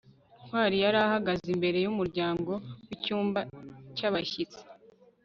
ntwali yari ahagaze imbere yumuryango wicyumba cyabashyitsi